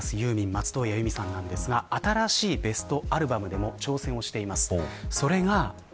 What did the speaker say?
松任谷由実さんですが新しいベストアルバムでも挑戦をしています。